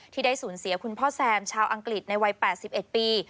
ที่ได้สูญเสียคุณพ่อแซมชาวอังกฤษในวัย๘๑ปี